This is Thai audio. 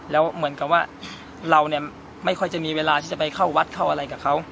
แล้วเหมือนกับว่าเราเนี่ยไม่ค่อยจะมีเวลาที่จะไปเข้าวัดเข้าอะไรกับเขา